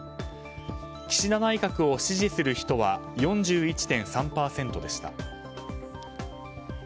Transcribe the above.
岸田内閣を支持する人は４１．３％でした。